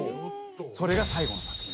それが最後の作品。